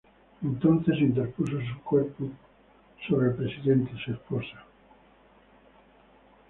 Entonces interpuso se cuerpo sobre el Presidente y su esposa.